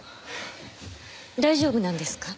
大丈夫なんですか？